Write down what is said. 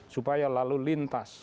supaya lalu lintas